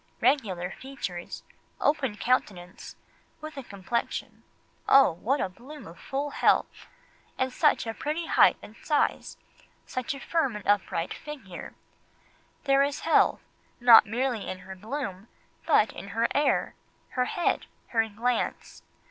Regular features, open countenance, with a complexion—oh, what a bloom of full health; and such a pretty height and size, such a firm and upright figure. There is health, not merely in her bloom, but in her air, her head, her glance.